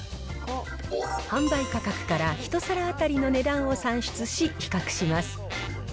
販売価格から１皿当たりの値段を算出し、比較します。